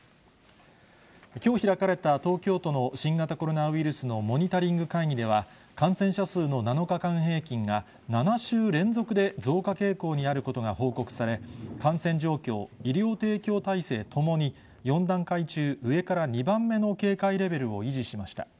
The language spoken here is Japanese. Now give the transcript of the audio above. きょう開かれた東京都の新型コロナウイルスのモニタリング会議では、感染者数の７日間平均が、７週連続で増加傾向にあることが報告され、感染状況、医療提供体制ともに、４段階中、上から２番目の警戒レベルを維持しました。